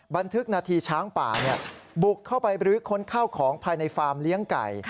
บันทึกนาทีช้างป่าบุกเข้าไปบรื้อค้นข้าวของภายในฟาร์มเลี้ยงไก่